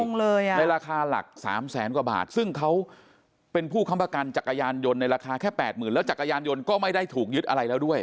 ในราคาหลักสามแสนกว่าบาทซึ่งเขาเป็นผู้ค้ำประกันจักรยานยนต์ในราคาแค่แปดหมื่นแล้วจักรยานยนต์ก็ไม่ได้ถูกยึดอะไรแล้วด้วย